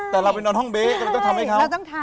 แต่เราไปนอนห้องเบ๊กเราต้องทำให้เค้า